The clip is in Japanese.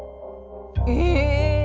ええ！